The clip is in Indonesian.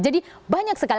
jadi banyak sekali